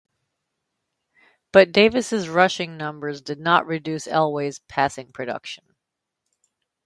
But Davis' rushing numbers did not reduce Elway's passing production.